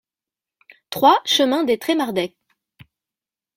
trois chemin des Tremardeix